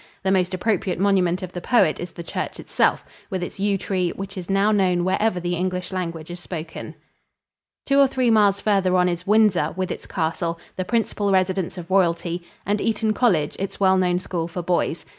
The most appropriate monument of the poet is the church itself, with its yew tree, which is now known wherever the English language is spoken. Two or three miles farther on is Windsor, with its castle, the principal residence of royalty, and Eton College, its well known school for boys.